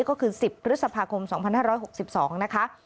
ก็คือ๑๐พฤษภาคม๒๕๖๒นะคะ